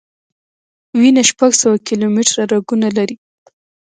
وینه شپږ سوه کیلومټره رګونه لري.